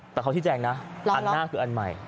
แต่เขาชี้แจงนะอันหน้าคืออันใหม่